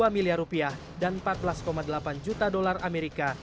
dua puluh lima dua miliar rupiah dan empat belas delapan juta dolar amerika